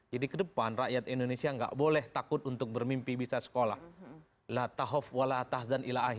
jadi ke depan rakyat indonesia gak boleh takut untuk bermimpi bisa sekolah